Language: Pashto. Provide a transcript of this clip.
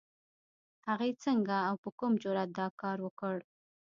هغې څنګه او په کوم جرئت دا کار وکړ؟